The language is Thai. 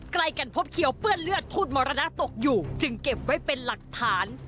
ใกล้กันพบเขียวเปื้อนเลือดทูตมรณะตกอยู่จึงเก็บไว้เป็นหลักฐาน